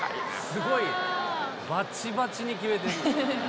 すごいバチバチにキメてる。